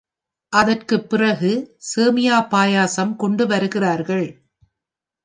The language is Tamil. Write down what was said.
அதற்குப் பிறகு சேமியா பாயசம் கொண்டு வருகிறார்கள்.